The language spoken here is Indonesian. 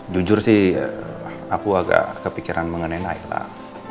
jujur sih aku agak kepikiran mengenai nailah